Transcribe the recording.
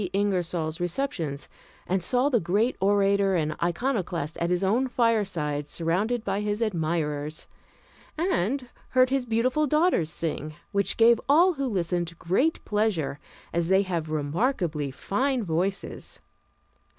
Ingersoll's receptions and saw the great orator and iconoclast at his own fireside, surrounded by his admirers, and heard his beautiful daughters sing, which gave all who listened great pleasure, as they have remarkably fine voices.